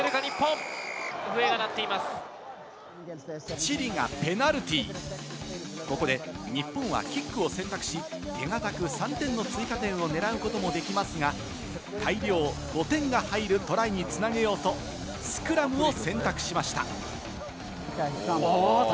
チリがペナルティー、ここで日本はキックを選択し、手堅く３点の追加点を狙うこともできますが、大量５点が入るトライに繋げようと、スクラムを選択しました。